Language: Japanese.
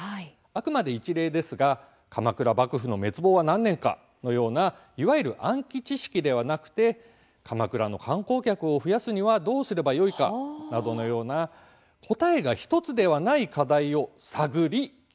あくまで一例ですが「鎌倉幕府の滅亡は何年か？」のようないわゆる暗記知識ではなくて「鎌倉の観光客を増やすにはどうすればよいか？」などのような答えが１つではない課題を探り究めます。